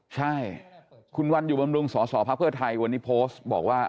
ใช่คุณวันอยู่บำรุงสสพไทยวันนี้โพสต์บอกว่า